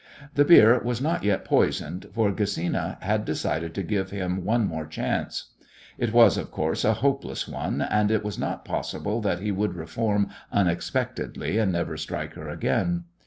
The beer was not yet poisoned, for Gesina had decided to give him one more chance. It was, of course, a hopeless one, as it was not possible that he would reform unexpectedly and never strike her again.